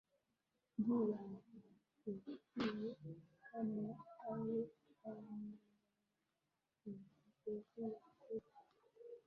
juu ya matukio kama hayo kama ya ya ya ivory coast